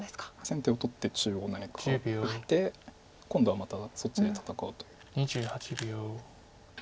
先手を取って中央何か打って今度はまたそっちで戦おうという。